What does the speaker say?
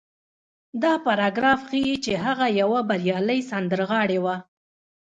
دا پاراګراف ښيي چې هغه يوه بريالۍ سندرغاړې وه.